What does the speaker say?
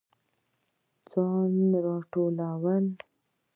ځان راټولول